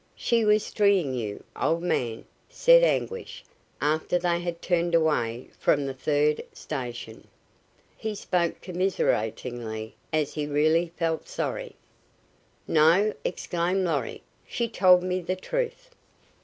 "She was stringing you, old man," said Anguish, after they had turned away from the third station. He spoke commiseratingly, as he really felt sorry. "No!" exclaimed Lorry. "She told me the truth.